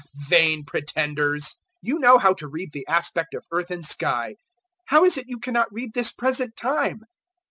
012:056 Vain pretenders! You know how to read the aspect of earth and sky. How is it you cannot read this present time?